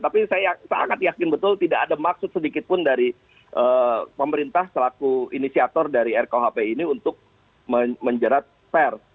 tapi saya sangat yakin betul tidak ada maksud sedikit pun dari pemerintah selaku inisiator dari rkuhp ini untuk menjerat pers